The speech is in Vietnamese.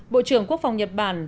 bộ trưởng quốc phòng nhật bản